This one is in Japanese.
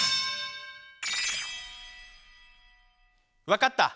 分かった！